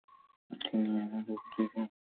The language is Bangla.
তিনিও আমার প্রতি খুব সহৃদয় ব্যবহার করিয়াছিলেন।